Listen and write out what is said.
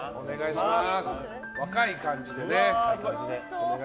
若い感じでね。